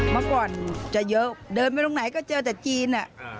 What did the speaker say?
เมื่อก่อนจะเยอะเดินไปตรงไหนก็เจอแต่จีน